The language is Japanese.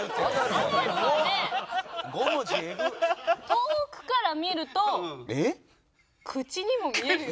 「遠くから見ると口にも見えるよ」。